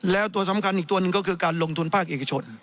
แล้วตัวสำคัญอีกตัวหนึ่งก็คือการลงทุนภาคเอกชน